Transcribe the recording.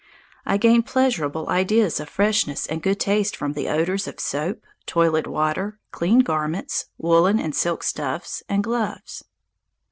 I gain pleasurable ideas of freshness and good taste from the odours of soap, toilet water, clean garments, woollen and silk stuffs, and gloves.